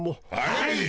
はい。